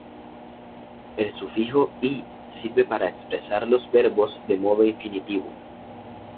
El sufijo "-y" sirve para expresar los verbos de modo infinitivo.